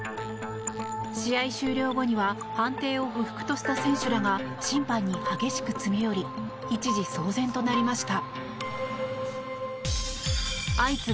試合終了後には判定を不服とした選手らが審判に激しく詰め寄り一時、騒然となりました。